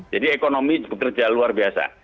jadi ekonomi bekerja luar biasa